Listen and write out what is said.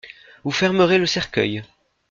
Vous fermerez le cercueil.